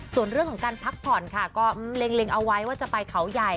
ส่วนเรื่องของการพักผ่อนค่ะก็เล็งเอาไว้ว่าจะไปเขาใหญ่